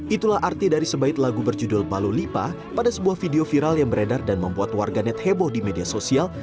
itulah arti dari sebaik lagu berjudul balulipa pada sebuah video viral yang beredar dan membuat warganet heboh di media sosial